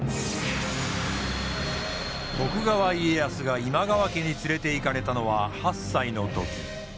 徳川家康が今川家に連れていかれたのは８歳の時。